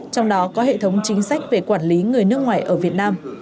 trong đó có hệ thống chính sách về quản lý người nước ngoài ở việt nam